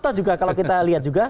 atau juga kalau kita lihat juga